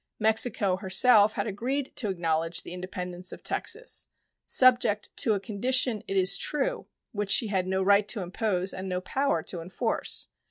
Mexico herself had agreed to acknowledge the independence of Texas, subject to a condition, it is true, which she had no right to impose and no power to enforce.